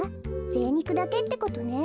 ぜいにくだけってことね。